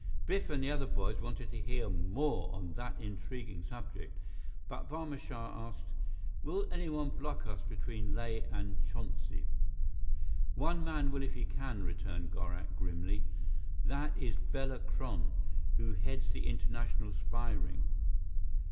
Biff and the other boys wanted to hear more on that intriguing subject, but Barma Shah asked: "Will anyone block us between Leh and Chonsi?" "One man will if he can," returned Gorak grimly. "That is Bela Kron, who heads the international spy ring.